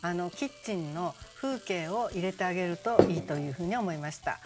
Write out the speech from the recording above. キッチンの風景を入れてあげるといいというふうに思いました。